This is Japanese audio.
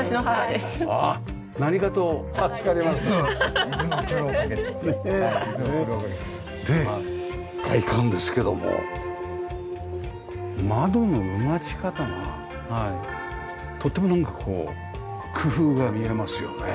で外観ですけども窓のうがち方がとてもなんかこう工夫が見えますよね。